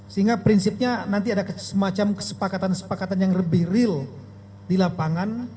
sehingga prinsipnya nanti ada semacam kesepakatan kesepakatan yang lebih real di lapangan